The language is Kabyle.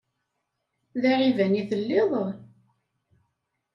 D aɛiban i telliḍ?